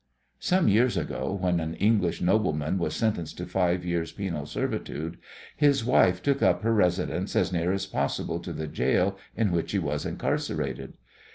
Some years ago when an English nobleman was sentenced to five years' penal servitude his wife took up her residence as near as possible to the gaol in which he was incarcerated.